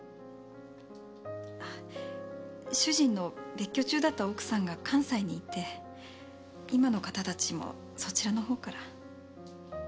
主人の別居中だった奥さんが関西にいて今の方たちもそちらのほうから。